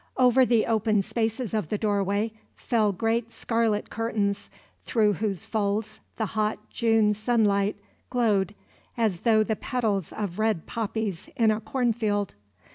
Over the open spaces of the doorway fell great scarlet curtains, through whose folds the hot June sunlight glowed, as through the petals of red poppies in a corn field.